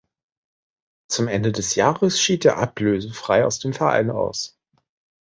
Zum Ende des Jahres schied er ablösefrei aus dem Verein aus.